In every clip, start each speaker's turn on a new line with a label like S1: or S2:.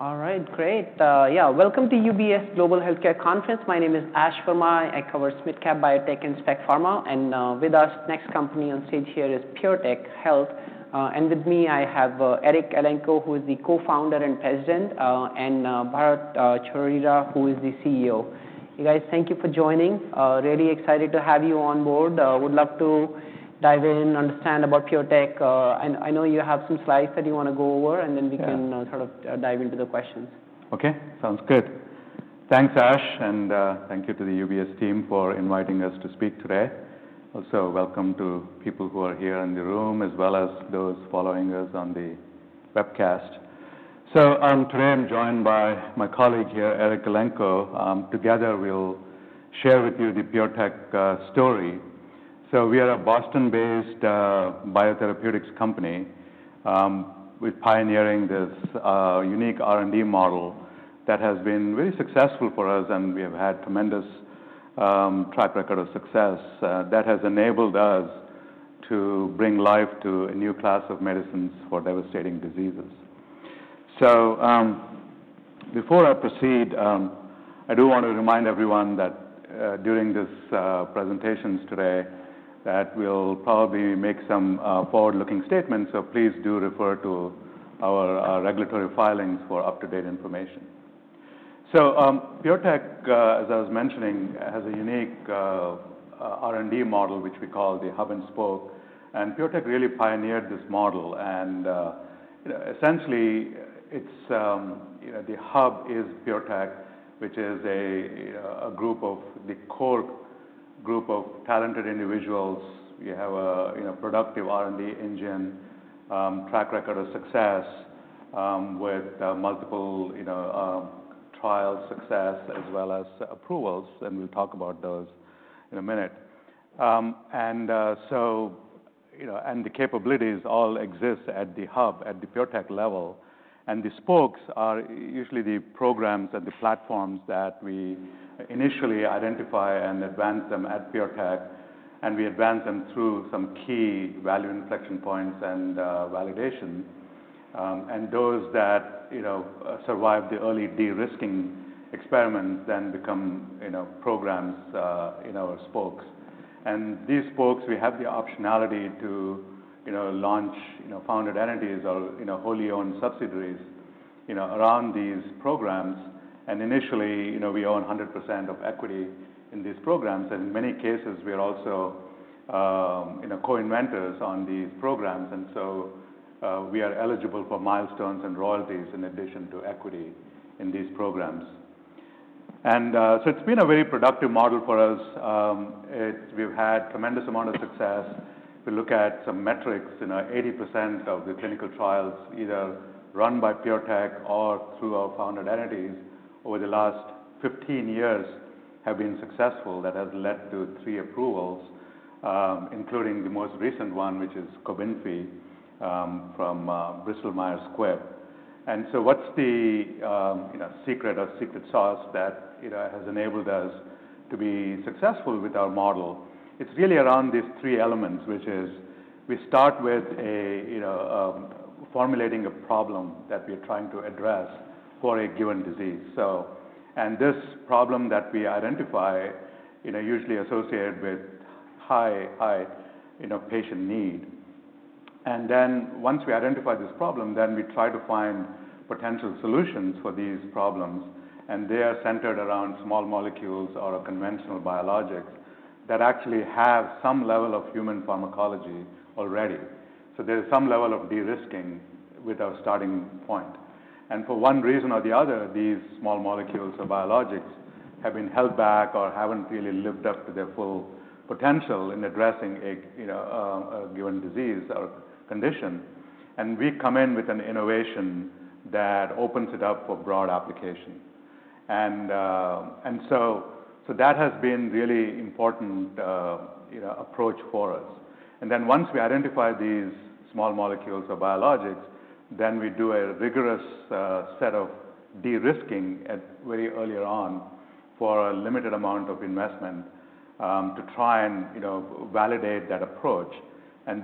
S1: All right, great. Yeah, welcome to the UBS Global Healthcare Conference. My name is Ash Verma. I cover SMID Cap, Biotech, and Specialty Pharma. And with us, the next company on stage here is PureTech Health. And with me, I have Eric Elenko, who is the Co-founder and President, and Bharatt Chowrira, who is the CEO. You guys, thank you for joining. Really excited to have you on board. Would love to dive in, understand about PureTech. And I know you have some slides that you want to go over, and then we can sort of dive into the questions.
S2: OK, sounds good. Thanks, Ash. And thank you to the UBS team for inviting us to speak today. Also, welcome to people who are here in the room, as well as those following us on the webcast. Today, I'm joined by my colleague here, Eric Elenko. Together, we'll share with you the PureTech story. We are a Boston-based biotherapeutics company. We're pioneering this unique R&D model that has been very successful for us, and we have had a tremendous track record of success that has enabled us to bring life to a new class of medicines for devastating diseases. Before I proceed, I do want to remind everyone that during this presentation today, that we'll probably make some forward-looking statements. Please do refer to our regulatory filings for up-to-date information. PureTech, as I was mentioning, has a unique R&D model, which we call the hub and spoke. PureTech really pioneered this model. Essentially, the hub is PureTech, which is a group of the core group of talented individuals. We have a productive R&D engine, track record of success with multiple trial success, as well as approvals. We'll talk about those in a minute. The capabilities all exist at the hub, at the PureTech level. The spokes are usually the programs and the platforms that we initially identify and advance them at PureTech. We advance them through some key value inflection points and validation. Those that survive the early de-risking experiments then become programs in our spokes. These spokes, we have the optionality to launch founded entities or wholly owned subsidiaries around these programs. And initially, we own 100% of equity in these programs. And in many cases, we are also co-inventors on these programs. And so we are eligible for milestones and royalties in addition to equity in these programs. And so it's been a very productive model for us. We've had a tremendous amount of success. If we look at some metrics, 80% of the clinical trials, either run by PureTech or through our founded entities over the last 15 years, have been successful. That has led to three approvals, including the most recent one, which is COBENFY from Bristol Myers Squibb. And so what's the secret or secret sauce that has enabled us to be successful with our model? It's really around these three elements, which is we start with formulating a problem that we are trying to address for a given disease. This problem that we identify is usually associated with high patient need. Then once we identify this problem, we try to find potential solutions for these problems. They are centered around small molecules or conventional biologics that actually have some level of human pharmacology already. There is some level of de-risking with our starting point. For one reason or the other, these small molecules or biologics have been held back or haven't really lived up to their full potential in addressing a given disease or condition. We come in with an innovation that opens it up for broad application. That has been a really important approach for us. Then once we identify these small molecules or biologics, we do a rigorous set of de-risking very early on for a limited amount of investment to try and validate that approach.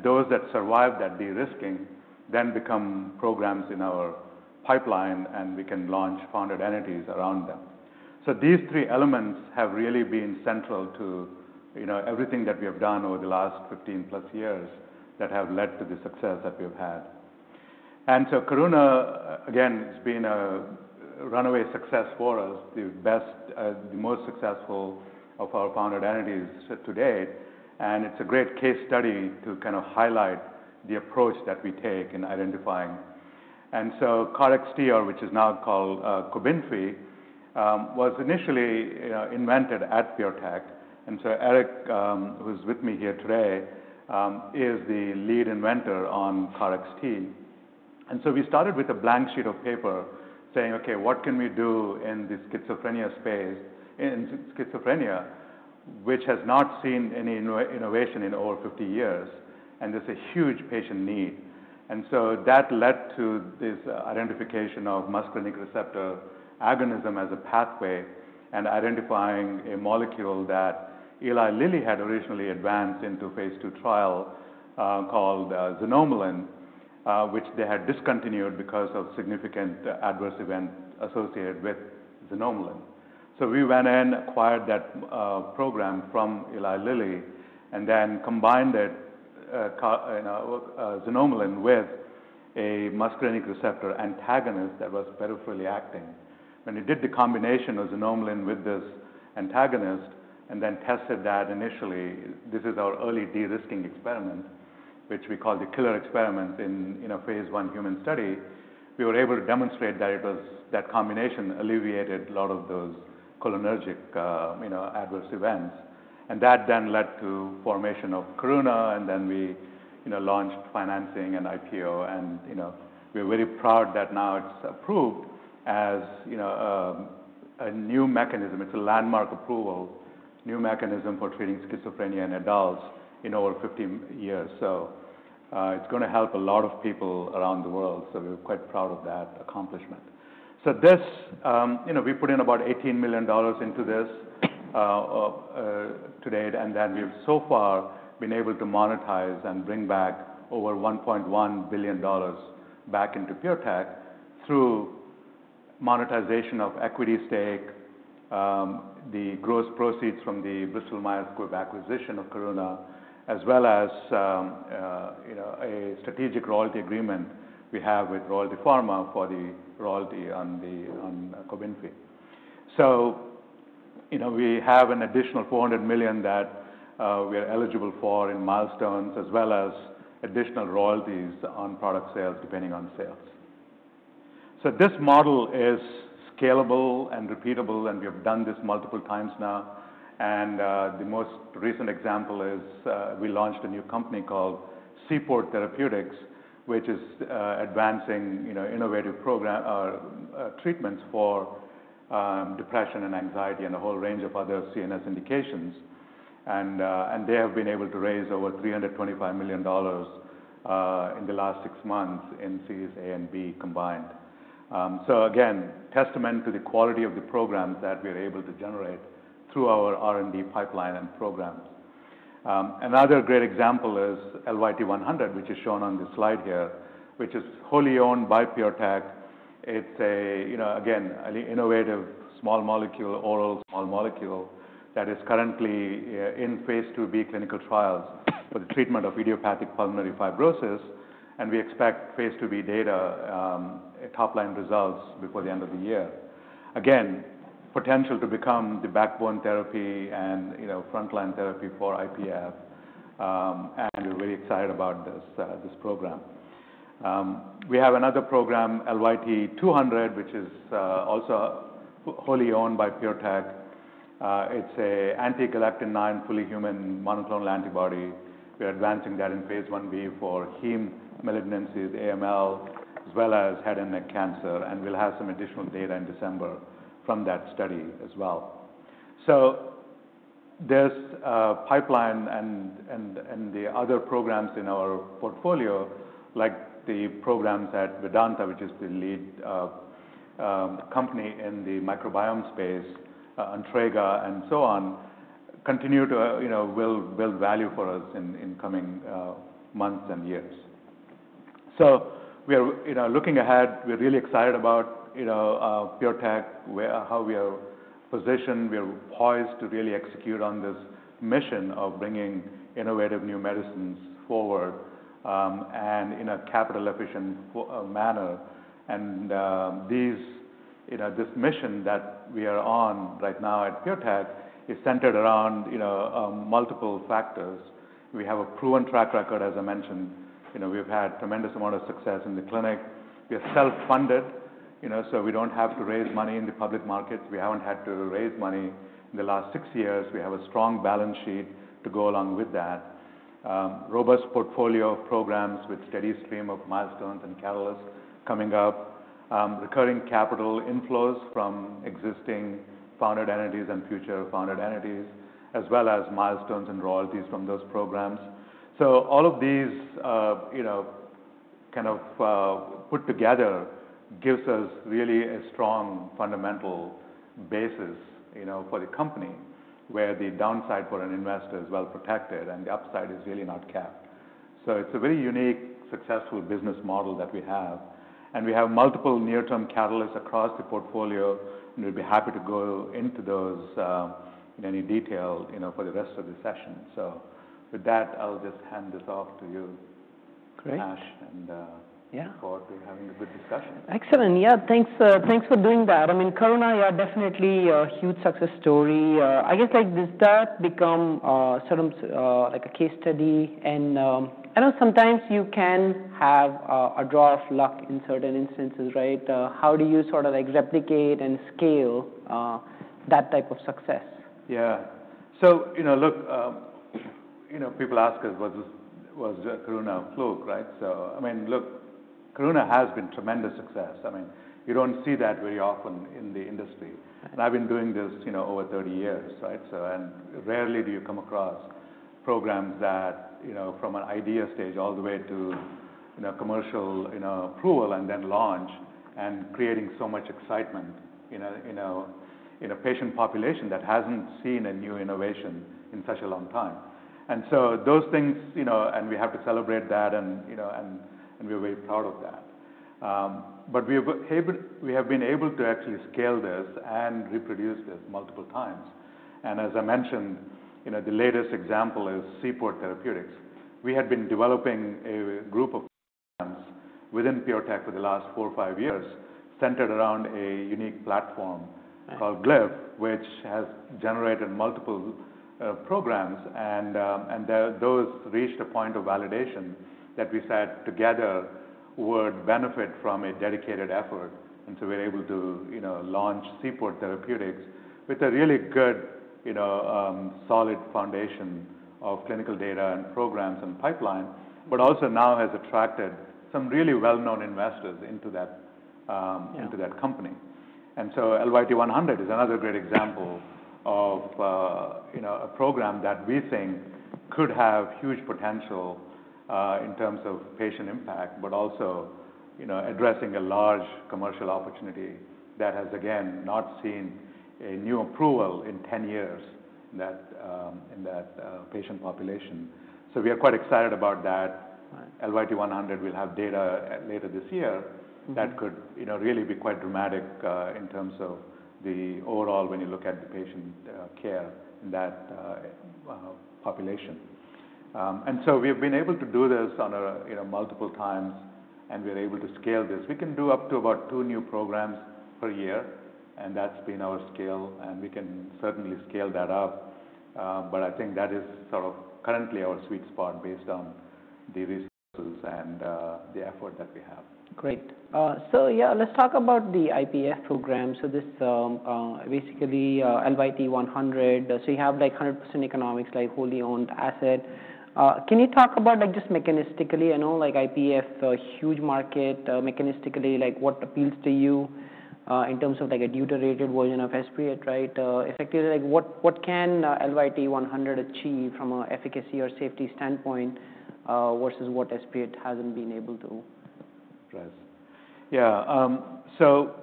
S2: Those that survive that de-risking then become programs in our pipeline, and we can launch founded entities around them. So these three elements have really been central to everything that we have done over the last 15+ years that have led to the success that we have had. And so Karuna, again, has been a runaway success for us, the most successful of our founded entities to date. And it's a great case study to kind of highlight the approach that we take in identifying. And so KarXT, or which is now called COBENFY, was initially invented at PureTech. And so Eric, who's with me here today, is the lead inventor on KarXT. And so we started with a blank sheet of paper saying, OK, what can we do in the schizophrenia space, in schizophrenia, which has not seen any innovation in over 50 years? There's a huge patient need. So that led to this identification of muscarinic receptor agonism as a pathway and identifying a molecule that Eli Lilly had originally advanced into phase II trial called xanomeline, which they had discontinued because of significant adverse events associated with xanomeline. We went in, acquired that program from Eli Lilly, and then combined xanomeline with a muscarinic receptor antagonist that was peripherally acting. When we did the combination of xanomeline with this antagonist and then tested that initially, this is our early de-risking experiment, which we call the killer experiment in a phase I human study. We were able to demonstrate that that combination alleviated a lot of those cholinergic adverse events. That then led to the formation of Karuna. Then we launched financing and IPO. We're very proud that now it's approved as a new mechanism. It's a landmark approval, a new mechanism for treating schizophrenia in adults in over 50 years, so it's going to help a lot of people around the world. We're quite proud of that accomplishment, so we put in about $18 million into this to date, and then we've so far been able to monetize and bring back over $1.1 billion back into PureTech through monetization of equity stake, the gross proceeds from the Bristol Myers Squibb acquisition of Karuna Therapeutics, as well as a strategic royalty agreement we have with Royalty Pharma for the royalty on COBENFY. We have an additional $400 million that we are eligible for in milestones, as well as additional royalties on product sales, depending on sales, so this model is scalable and repeatable, and we have done this multiple times now. The most recent example is we launched a new company called Seaport Therapeutics, which is advancing innovative treatments for depression and anxiety and a whole range of other CNS indications. They have been able to raise over $325 million in the last six months in Series A and B combined. Again, testament to the quality of the programs that we are able to generate through our R&D pipeline and programs. Another great example is LYT-100, which is shown on this slide here, which is wholly owned by PureTech. It's a, again, innovative small molecule, oral small molecule, that is currently in phase IIb clinical trials for the treatment of idiopathic pulmonary fibrosis. We expect phase IIb data, top line results before the end of the year. Again, potential to become the backbone therapy and front line therapy for IPF. We're really excited about this program. We have another program, LYT-200, which is also wholly owned by PureTech. It's an anti-galectin-9 fully human monoclonal antibody. We're advancing that in phase Ib for hematological malignancies, AML, as well as head and neck cancer. We'll have some additional data in December from that study as well. This pipeline and the other programs in our portfolio, like the programs at Vedanta, which is the lead company in the microbiome space, Entrega, and so on, continue to build value for us in coming months and years. We are looking ahead. We're really excited about PureTech, how we are positioned. We are poised to really execute on this mission of bringing innovative new medicines forward in a capital-efficient manner. This mission that we are on right now at PureTech is centered around multiple factors. We have a proven track record, as I mentioned. We've had a tremendous amount of success in the clinic. We are self-funded, so we don't have to raise money in the public markets. We haven't had to raise money in the last six years. We have a strong balance sheet to go along with that, a robust portfolio of programs with a steady stream of milestones and catalysts coming up, recurring capital inflows from existing founded entities and future founded entities, as well as milestones and royalties from those programs. So all of these kind of put together gives us really a strong fundamental basis for the company, where the downside for an investor is well protected and the upside is really not capped. So it's a very unique, successful business model that we have. And we have multiple near-term catalysts across the portfolio. And we'd be happy to go into those in any detail for the rest of the session. So with that, I'll just hand this off to you, Ash, and look forward to having a good discussion.
S1: Excellent. Yeah, thanks for doing that. I mean, Karuna, yeah, definitely a huge success story. I guess, does that become sort of like a case study? And I know sometimes you can have a stroke of luck in certain instances, right? How do you sort of replicate and scale that type of success?
S2: Yeah. So look, people ask us, was Karuna a fluke, right? So I mean, look, Karuna has been tremendous success. I mean, you don't see that very often in the industry. And I've been doing this over 30 years. And rarely do you come across programs that, from an idea stage all the way to commercial approval and then launch and creating so much excitement in a patient population that hasn't seen a new innovation in such a long time. And so those things, and we have to celebrate that. And we're very proud of that. But we have been able to actually scale this and reproduce this multiple times. And as I mentioned, the latest example is Seaport Therapeutics. We had been developing a group of programs within PureTech for the last four or five years, centered around a unique platform called Glyph, which has generated multiple programs. And those reached a point of validation that we said together would benefit from a dedicated effort. And so we were able to launch Seaport Therapeutics with a really good, solid foundation of clinical data and programs and pipeline, but also now has attracted some really well-known investors into that company. And so LYT-100 is another great example of a program that we think could have huge potential in terms of patient impact, but also addressing a large commercial opportunity that has, again, not seen a new approval in 10 years in that patient population. So we are quite excited about that. LYT-100 will have data later this year that could really be quite dramatic in terms of the overall, when you look at the patient care in that population. And so we have been able to do this multiple times. And we're able to scale this. We can do up to about two new programs per year, and that's been our scale, and we can certainly scale that up, but I think that is sort of currently our sweet spot based on the resources and the effort that we have.
S1: Great. So yeah, let's talk about the IPF program. So this basically LYT-100. So you have 100% economics, like wholly owned asset. Can you talk about just mechanistically, IPF, huge market, mechanistically, what appeals to you in terms of a deuterated version of Esbriet, right? Effectively, what can LYT-100 achieve from an efficacy or safety standpoint versus what Esbriet hasn't been able to?
S2: Right. Yeah. So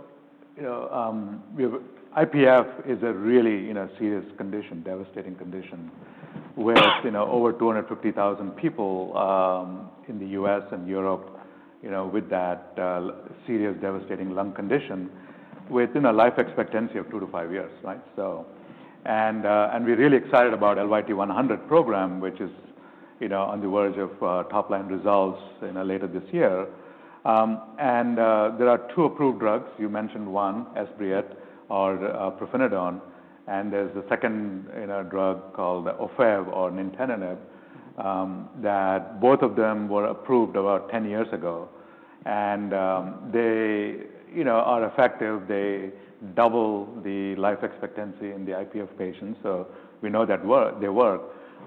S2: IPF is a really serious condition, devastating condition, with over 250,000 people in the US and Europe with that serious, devastating lung condition with a life expectancy of two to five years, right? And we're really excited about the LYT-100 program, which is on the verge of top-line results later this year. And there are two approved drugs. You mentioned one, Esbriet or pirfenidone. And there's a second drug called Ofev or nintedanib that both of them were approved about 10 years ago. And they are effective. They double the life expectancy in the IPF patients. So we know that they work.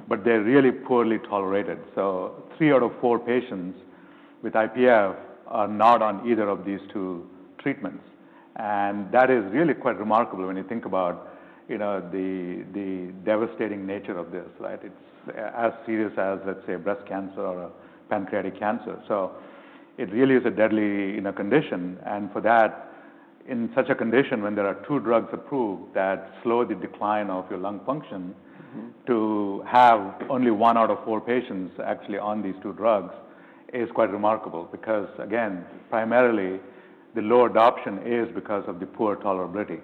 S2: But they're really poorly tolerated. So three out of four patients with IPF are not on either of these two treatments. And that is really quite remarkable when you think about the devastating nature of this, right? It's as serious as, let's say, breast cancer or pancreatic cancer. So it really is a deadly condition. And for that, in such a condition, when there are two drugs approved that slow the decline of your lung function, to have only one out of four patients actually on these two drugs is quite remarkable because, again, primarily, the low adoption is because of the poor tolerability.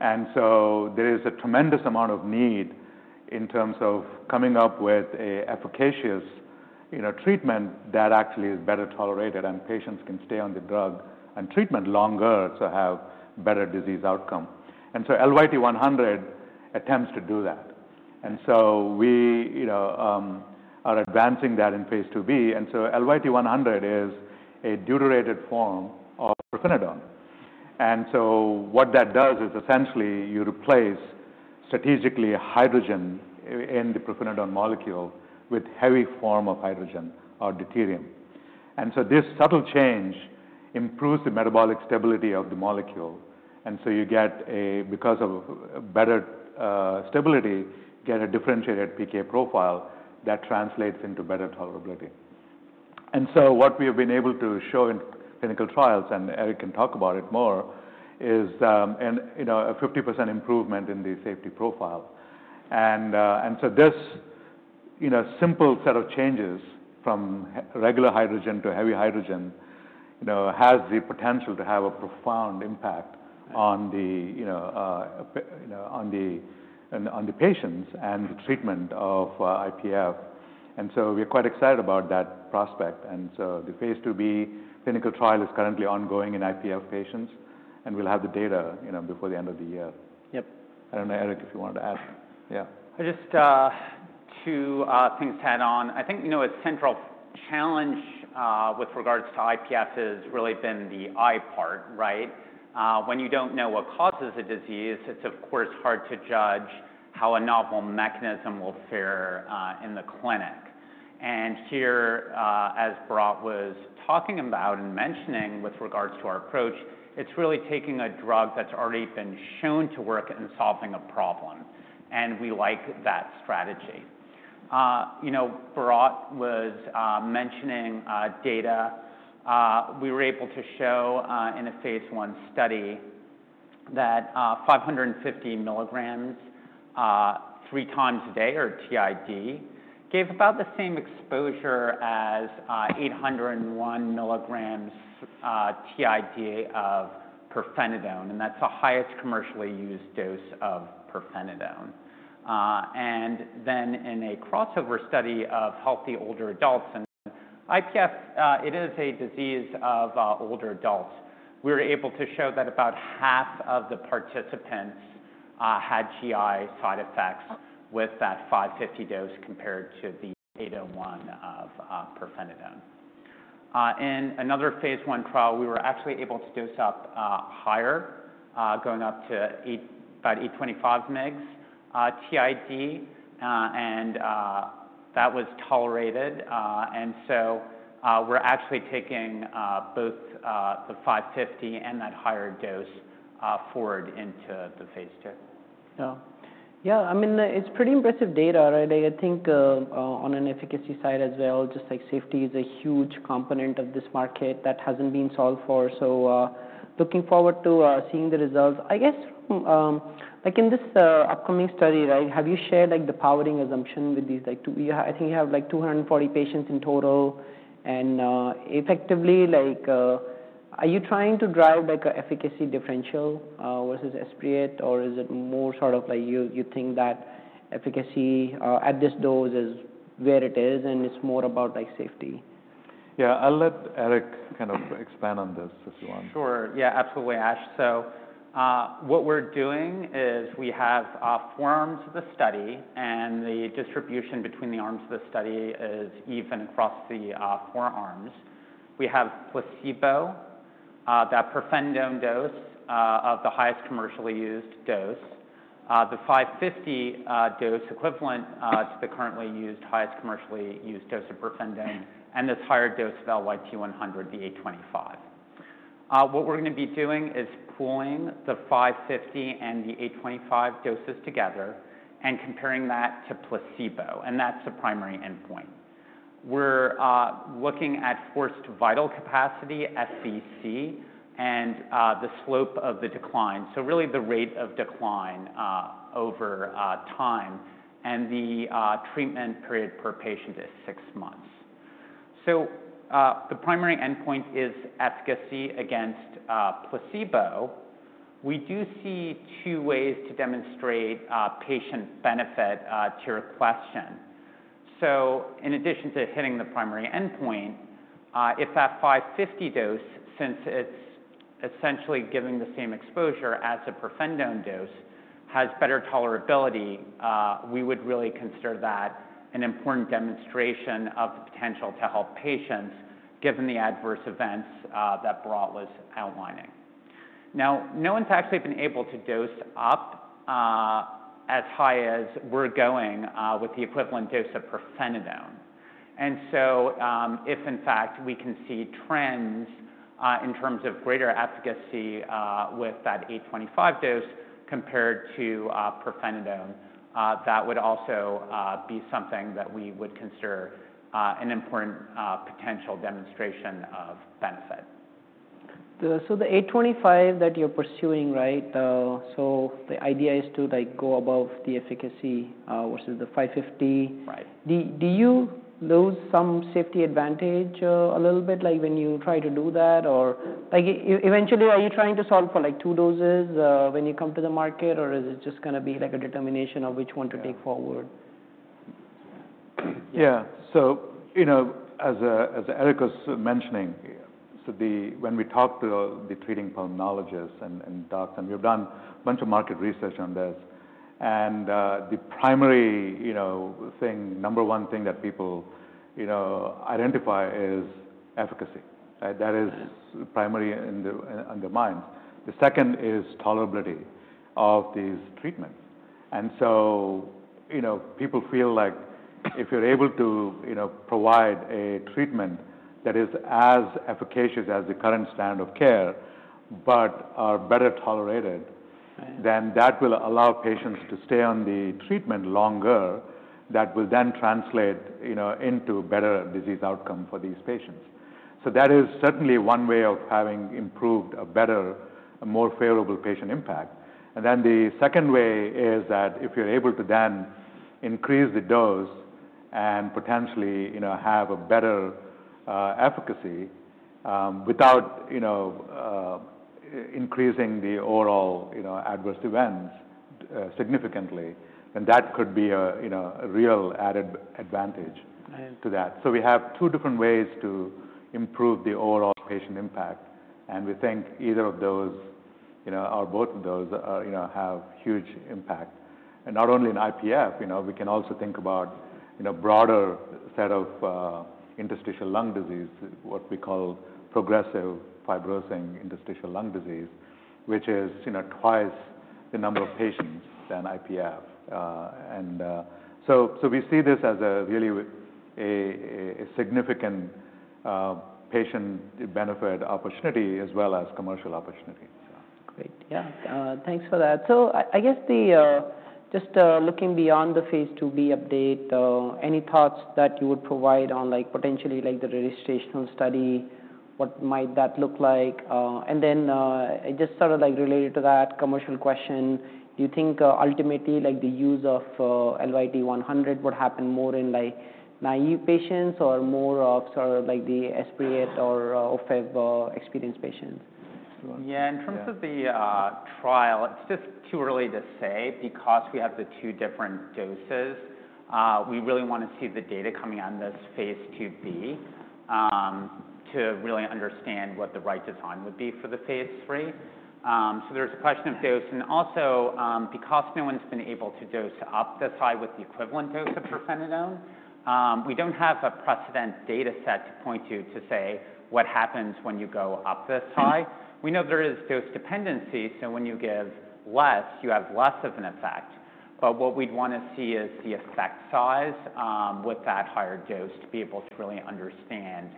S2: And so there is a tremendous amount of need in terms of coming up with an efficacious treatment that actually is better tolerated. And patients can stay on the drug and treatment longer to have a better disease outcome. And so LYT-100 attempts to do that. And so we are advancing that in phase IIb. And so LYT-100 is a deuterated form of pirfenidone. What that does is essentially you replace strategically hydrogen in the pirfenidone molecule with a heavy form of hydrogen or deuterium. This subtle change improves the metabolic stability of the molecule. You get, because of better stability, you get a differentiated pKa profile that translates into better tolerability. What we have been able to show in clinical trials, and Eric can talk about it more, is a 50% improvement in the safety profile. This simple set of changes from regular hydrogen to heavy hydrogen has the potential to have a profound impact on the patients and the treatment of IPF. We are quite excited about that prospect. The phase IIb clinical trial is currently ongoing in IPF patients. We'll have the data before the end of the year.
S1: Yep.
S2: I don't know, Eric, if you wanted to add. Yeah.
S3: Just two things to add on. I think a central challenge with regards to IPF has really been the I part, right? When you don't know what causes a disease, it's, of course, hard to judge how a novel mechanism will fare in the clinic. And here, as Bharatt was talking about and mentioning with regards to our approach, it's really taking a drug that's already been shown to work in solving a problem. And we like that strategy. Bharatt was mentioning data. We were able to show in a phase I study that 550 mg three times a day or TID gave about the same exposure as 801 mg TID of pirfenidone. And that's the highest commercially used dose of pirfenidone. And then in a crossover study of healthy older adults, and IPF, it is a disease of older adults. We were able to show that about half of the participants had GI side effects with that 550 mg dose compared to the 801 mg of pirfenidone. In another phase I trial, we were actually able to dose up higher, going up to about 825 mg TID And that was tolerated. And so we're actually taking both the 550 mg and that higher dose forward into the phase II.
S1: Yeah. Yeah, I mean, it's pretty impressive data, right? I think on an efficacy side as well, just like safety is a huge component of this market that hasn't been solved for. So looking forward to seeing the results. I guess in this upcoming study, right, have you shared the powering assumption with these? I think you have like 240 patients in total. And effectively, are you trying to drive an efficacy differential versus Esbriet? Or is it more sort of like you think that efficacy at this dose is where it is, and it's more about safety?
S2: Yeah, I'll let Eric kind of expand on this if you want.
S3: Sure. Yeah, absolutely, Ash. So what we're doing is we have four arms of the study. The distribution between the arms of the study is even across the four arms. We have placebo, the pirfenidone dose of the highest commercially used dose, the 550 mg dose to the currently used highest commercially used dose of pirfenidone, and this higher dose of LYT-100, the 825 mg. What we're going to be doing is pooling the 550 mg and the 825 mg doses together and comparing that to placebo. That's the primary endpoint. We're looking at forced vital capacity, FVC, and the slope of the decline. Really the rate of decline over time. The treatment period per patient is six months. The primary endpoint is efficacy against placebo. We do see two ways to demonstrate patient benefit to your question. So in addition to hitting the primary endpoint, if that 550 mg dose, since it is essentially giving the same exposure as the pirfenidone dose, has better tolerability, we would really consider that an important demonstration of the potential to help patients given the adverse events that Bharatt was outlining. Now, no one's actually been able to dose up as high as we're going with the equivalent dose of pirfenidone. And so if, in fact, we can see trends in terms of greater efficacy with that 825 mg dose compared to pirfenidone, that would also be something that we would consider an important potential demonstration of benefit.
S1: So the 825 mg that you're pursuing, right, so the idea is to go above the efficacy versus the 550. Do you lose some safety advantage a little bit when you try to do that? Or eventually, are you trying to solve for two doses when you come to the market? Or is it just going to be a determination of which one to take forward?
S2: Yeah. So as Eric was mentioning, when we talk to the treating pulmonologists and docs, and we've done a bunch of market research on this, and the primary thing, number one thing that people identify is efficacy. That is primary on their minds. The second is tolerability of these treatments, and so people feel like if you're able to provide a treatment that is as efficacious as the current standard of care but are better tolerated, then that will allow patients to stay on the treatment longer. That will then translate into better disease outcome for these patients, so that is certainly one way of having improved a better, more favorable patient impact. And then the second way is that if you're able to then increase the dose and potentially have a better efficacy without increasing the overall adverse events significantly, then that could be a real added advantage to that. So we have two different ways to improve the overall patient impact. And we think either of those or both of those have huge impact. And not only in IPF, we can also think about a broader set of interstitial lung disease, what we call progressive fibrosing interstitial lung disease, which is twice the number of patients than IPF. And so we see this as really a significant patient benefit opportunity as well as commercial opportunity.
S1: Great. Yeah. Thanks for that. So I guess just looking beyond the phase IIb update, any thoughts that you would provide on potentially the registration study? What might that look like? And then just sort of related to that commercial question, do you think ultimately the use of LYT-100 would happen more in naive patients or more of sort of the Esbriet or Ofev experienced patients?
S3: Yeah, in terms of the trial, it's just too early to say because we have the two different doses. We really want to see the data coming on this phase IIb to really understand what the right design would be for the phase III. So there's a question of dose. And also, because no one's been able to dose up the side with the equivalent dose of pirfenidone, we don't have a precedent data set to point to to say what happens when you go up this side. We know there is dose dependency. So when you give less, you have less of an effect. But what we'd want to see is the effect size with that higher dose to be able to really understand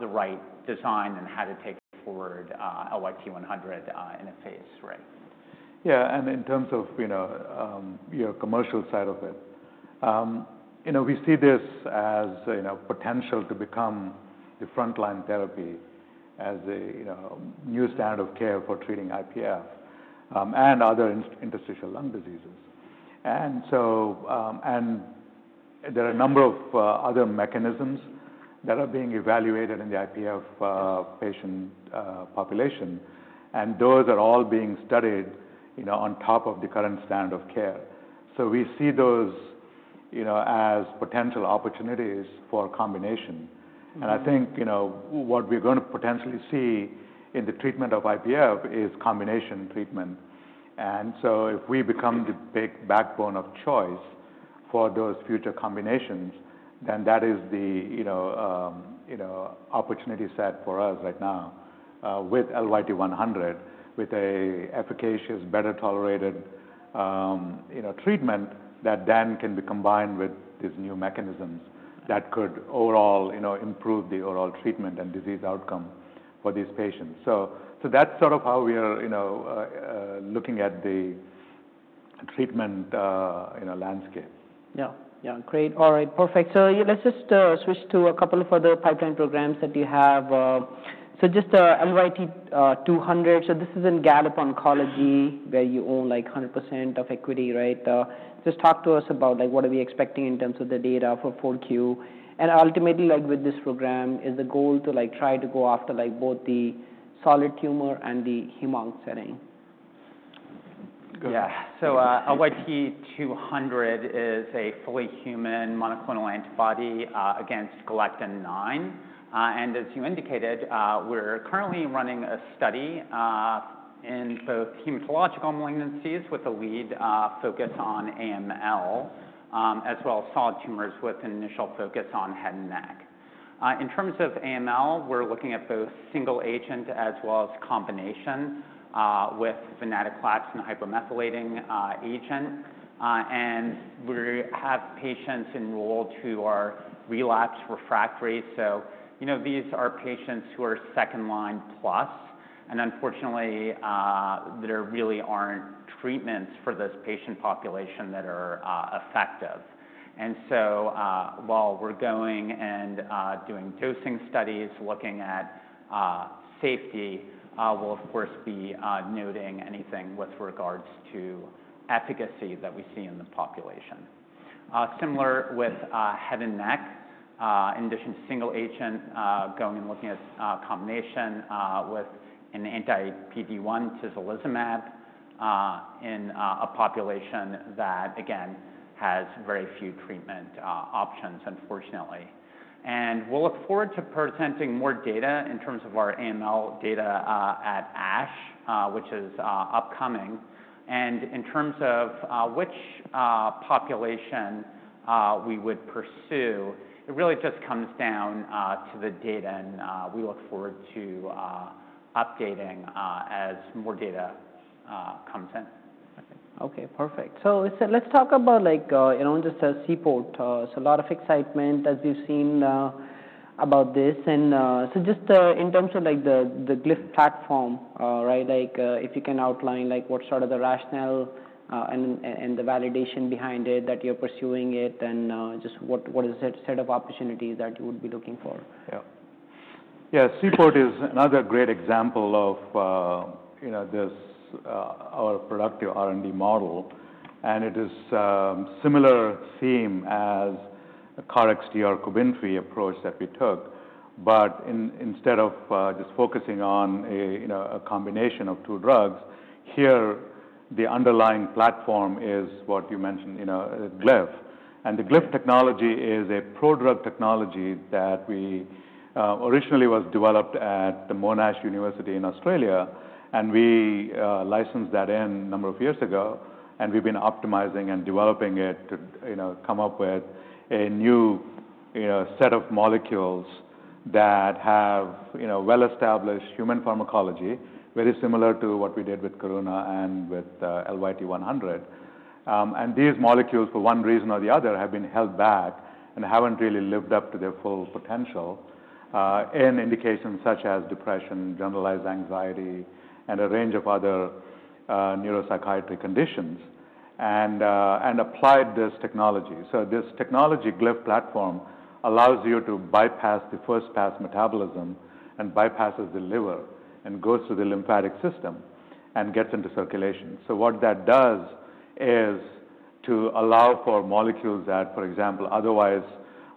S3: the right design and how to take forward LYT-100 in a phase III.
S2: Yeah, and in terms of your commercial side of it, we see this as potential to become the front line therapy as a new standard of care for treating IPF and other interstitial lung diseases, and there are a number of other mechanisms that are being evaluated in the IPF patient population, and those are all being studied on top of the current standard of care, so we see those as potential opportunities for combination, and I think what we're going to potentially see in the treatment of IPF is combination treatment, and so if we become the big backbone of choice for those future combinations, then that is the opportunity set for us right now with LYT-100, with an efficacious, better tolerated treatment that then can be combined with these new mechanisms that could overall improve the overall treatment and disease outcome for these patients. So that's sort of how we are looking at the treatment landscape.
S1: So let's just switch to a couple of other pipeline programs that you have. So just LYT-200. So this is in Gallop Oncology where you own 100% of equity, right? Just talk to us about what are we expecting in terms of the data for Q4. And ultimately, with this program, is the goal to try to go after both the solid tumor and the hem-onc setting?
S3: Yeah. So LYT-200 is a fully human monoclonal antibody against Galectin-9, and as you indicated, we're currently running a study in both hematological malignancies with a lead focus on AML, as well as solid tumors with an initial focus on head and neck. In terms of AML, we're looking at both single agent as well as combination with venetoclax and a hypomethylating agent, and we have patients enrolled who are relapsed refractory. So these are patients who are second line plus, and unfortunately, there really aren't treatments for this patient population that are effective. And so while we're going and doing dosing studies looking at safety, we'll, of course, be noting anything with regards to efficacy that we see in the population. Similar with head and neck, in addition to single agent, going and looking at combination with an anti-PD-1, tislelizumab, in a population that, again, has very few treatment options, unfortunately. And we'll look forward to presenting more data in terms of our AML data at ASH, which is upcoming. And in terms of which population we would pursue, it really just comes down to the data. And we look forward to updating as more data comes in.
S1: Okay. Perfect. So let's talk about just Seaport. So a lot of excitement as we've seen about this. And so just in terms of the Glyph platform, right, if you can outline what sort of the rationale and the validation behind it that you're pursuing it and just what is the set of opportunities that you would be looking for?
S2: Yeah. Yeah, Seaport is another great example of our productive R&D model. And it is a similar theme as the KarXT or COBENFY approach that we took. But instead of just focusing on a combination of two drugs, here, the underlying platform is what you mentioned, Glyph. And the Glyph technology is a prodrug technology that we originally developed at the Monash University in Australia. And we licensed that in a number of years ago. And we've been optimizing and developing it to come up with a new set of molecules that have well-established human pharmacology, very similar to what we did with Karuna and with LYT-100. And these molecules, for one reason or the other, have been held back and haven't really lived up to their full potential in indications such as depression, generalized anxiety, and a range of other neuropsychiatric conditions, and applied this technology. So this technology, Glyph platform, allows you to bypass the first-pass metabolism and bypasses the liver and goes through the lymphatic system and gets into circulation. So what that does is to allow for molecules that, for example, otherwise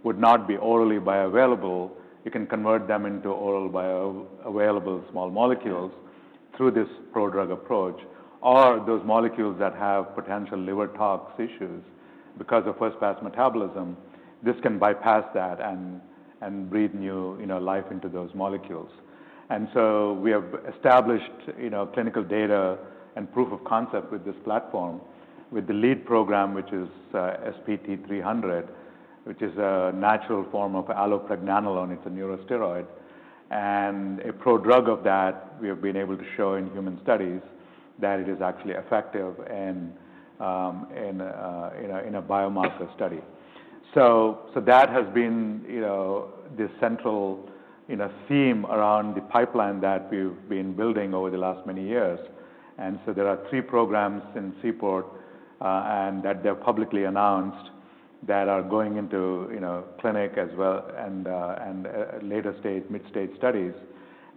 S2: would not be orally bioavailable. You can convert them into oral bioavailable small molecules through this prodrug approach. Or those molecules that have potential liver tox issues because of first-pass metabolism, this can bypass that and breathe new life into those molecules. And so we have established clinical data and proof of concept with this platform with the lead program, which is SPT-300, which is a natural form of allopregnanolone. It's a neurosteroid. And a prodrug of that, we have been able to show in human studies that it is actually effective in a biomarker study. That has been the central theme around the pipeline that we've been building over the last many years. And so there are three programs in Seaport that they've publicly announced that are going into clinic as well and later stage, mid-stage studies.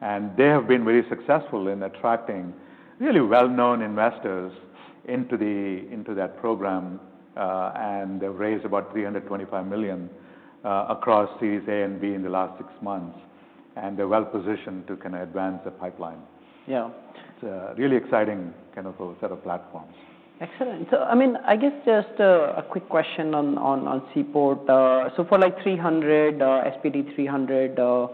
S2: And they have been very successful in attracting really well-known investors into that program. And they've raised about $325 million across series A and B in the last six months. And they're well-positioned to kind of advance the pipeline.
S1: Yeah.
S2: It's a really exciting kind of set of platforms.
S1: Excellent. So I mean, I guess just a quick question on Seaport. So for SPT-300,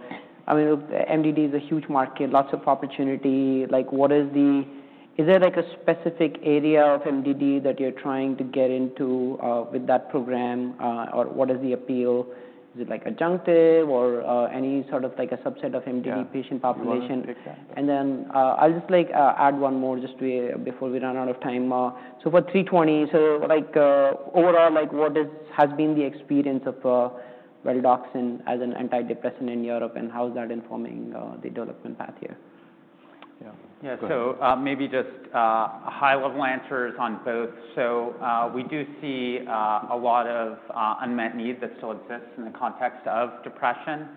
S1: I mean, MDD is a huge market, lots of opportunity. Is there a specific area of MDD that you're trying to get into with that program? Or what is the appeal? Is it adjunctive or any sort of a subset of MDD patient population?
S2: Exactly.
S1: And then I'll just add one more just before we run out of time. So for 320, so overall, what has been the experience of Valdoxan as an antidepressant in Europe? And how is that informing the development path here?
S3: Yeah. So maybe just high-level answers on both. So we do see a lot of unmet need that still exists in the context of depression,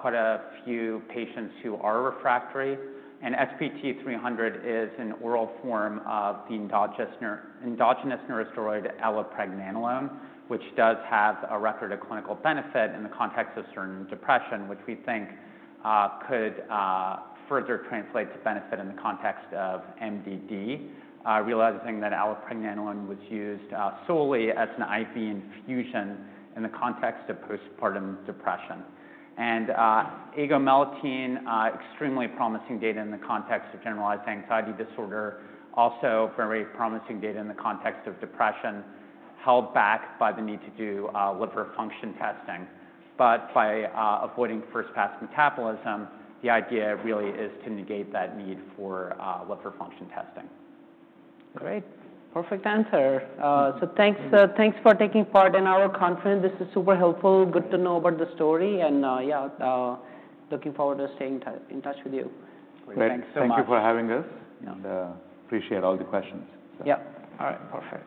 S3: quite a few patients who are refractory. And SPT-300 is an oral form of the endogenous neurosteroid allopregnanolone, which does have a record of clinical benefit in the context of certain depression, which we think could further translate to benefit in the context of MDD, realizing that allopregnanolone was used solely as an IV infusion in the context of postpartum depression. And agomelatine, extremely promising data in the context of generalized anxiety disorder, also very promising data in the context of depression, held back by the need to do liver function testing. But by avoiding first-pass metabolism, the idea really is to negate that need for liver function testing.
S1: Great. Perfect answer, so thanks for taking part in our conference. This is super helpful. Good to know about the story, and yeah, looking forward to staying in touch with you.
S3: Great. Thank you for having us, and appreciate all the questions.
S1: Yeah.
S3: All right. Perfect.